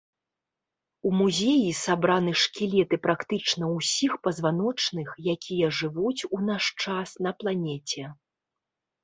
У музеі сабраны шкілеты практычна ўсіх пазваночных, якія жывуць у наш час на планеце.